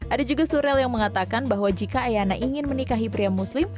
ada juga surel yang mengatakan bahwa jika ayana ingin menikahi pria muslim